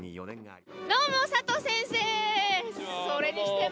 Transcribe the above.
どうも、佐藤先生。